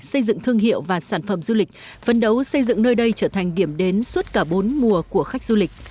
xây dựng thương hiệu và sản phẩm du lịch phấn đấu xây dựng nơi đây trở thành điểm đến suốt cả bốn mùa của khách du lịch